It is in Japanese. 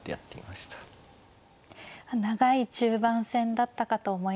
長い中盤戦だったかと思います。